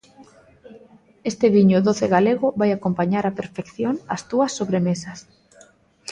Este viño doce galego vai acompañar á perfección as túas sobremesas.